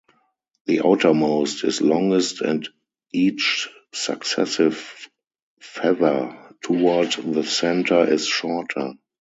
The outermost is longest and each successive feather toward the center is shorter.